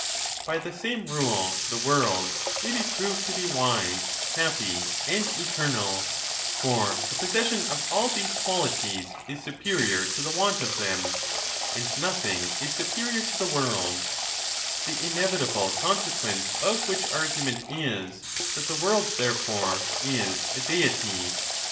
By the same rule the world may be proved to be wise, happy, and eternal ; for the possession of all these qualities is superior to the want of them ; and nothing is superior to the world ; the inevitable conse quence of which argument is, that the world, therefore, is a Deity.